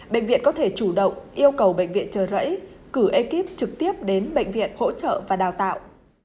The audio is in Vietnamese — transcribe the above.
bệnh viện có thể chủ động yêu cầu bệnh viện trợ rẫy cử ekip trực tiếp đến bệnh viện hỗ trợ và đào tạo